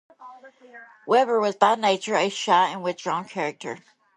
Webber was by nature a shy and withdrawn character.